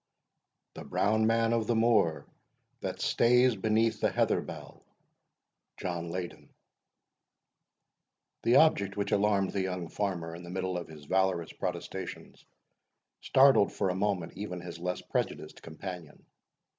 "The Brown Man of the Moor, that stays Beneath the heather bell." JOHN LEYDEN The object which alarmed the young farmer in the middle of his valorous protestations, startled for a moment even his less prejudiced companion.